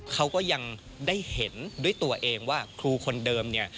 เขาก็ยังได้เห็นด้วยตัวเองว่าครูคนเดิมเนี่ย